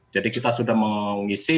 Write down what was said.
jadi kita sudah mengisi